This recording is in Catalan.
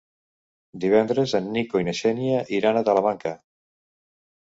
Divendres en Nico i na Xènia iran a Talamanca.